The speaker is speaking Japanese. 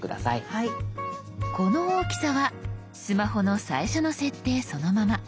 この大きさはスマホの最初の設定そのまま。